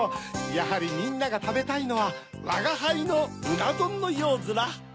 やはりみんながたべたいのはわがはいのうなどんのようヅラ。